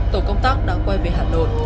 tổ công tác đã quay về hà nội